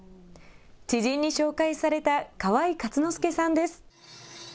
知人に紹介された川井克之佑さんです。